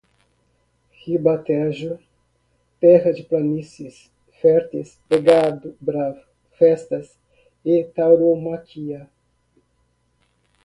Ribatejo, terra de planícies férteis e gado bravo, festas e tauromaquia.